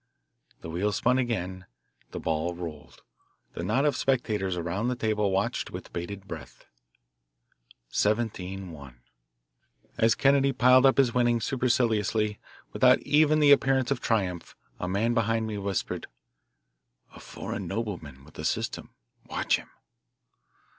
The wheel spun again; the ball rolled. The knot of spectators around the table watched with bated breath. Seventeen won! As Kennedy piled up his winnings superciliously, without even the appearance of triumph, a man behind me whispered, "A foreign nobleman with a system watch him."